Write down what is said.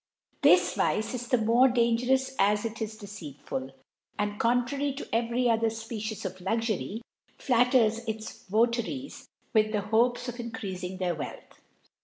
This Vice is the more d gerouS) as it is deceitful, and, contrary xvcry other Species of Luxury, flatters Votaries with the Hopes of increafmg th Wealth